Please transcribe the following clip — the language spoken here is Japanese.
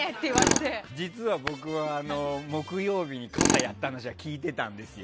でも実は僕木曜日に肩やった話は聞いてたんですよ。